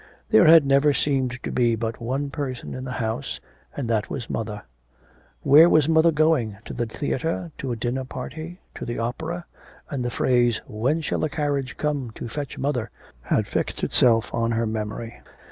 There had never seemed to be but one person in the house, and that was mother. Where was mother going, to the theatre, to a dinner party, to the opera? and the phrase 'When shall the carriage come to fetch mother' had fixed itself on her memory.